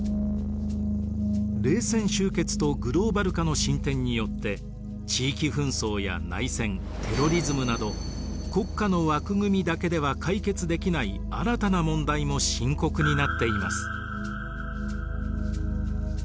冷戦終結とグローバル化の進展によって地域紛争や内戦テロリズムなど国家の枠組みだけでは解決できない新たな問題も深刻になっています。